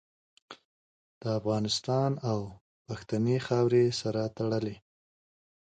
د افغانستان او پښتنې خاورې سره تړلې